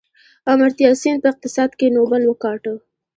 امرتیا سین په اقتصاد کې نوبل وګاټه.